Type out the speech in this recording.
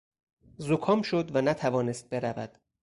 زکام شد و نتوانست برود.